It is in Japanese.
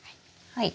はい。